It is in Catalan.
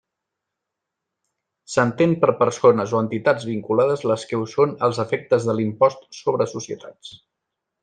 S'entén per persones o entitats vinculades les que ho són als efectes de l'impost sobre societats.